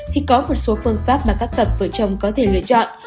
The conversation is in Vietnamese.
thì có một số phương pháp mà các cặp vợ chồng có thể lựa chọn